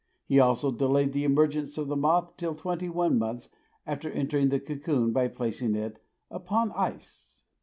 He also delayed the emergence of the moth till twenty one months after entering the cocoon by placing it upon ice.